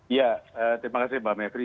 ya terima kasih mbak mepri